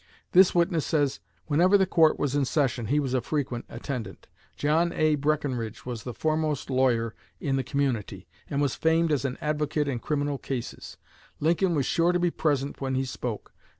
This witness says: "Whenever the court was in session he was a frequent attendant. John A. Breckenridge was the foremost lawyer in the community, and was famed as an advocate in criminal cases. Lincoln was sure to be present when he spoke.